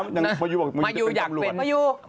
มายูบอกมายูจะเป็นกำลัง